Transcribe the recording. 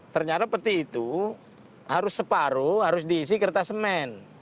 ternyata peti itu harus separuh harus diisi kertas semen